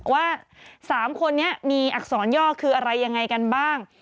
ว่า๓คนนี้มีอักษรย่อคืออะไรยังไงกันบ้าง